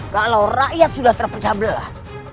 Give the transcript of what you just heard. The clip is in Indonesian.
kalau rakyat sudah terpecah belah